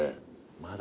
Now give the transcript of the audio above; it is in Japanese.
まだ。